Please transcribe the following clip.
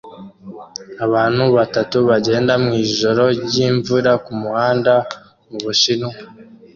Abantu batatu bagenda mwijoro ryimvura kumuhanda mubushinwa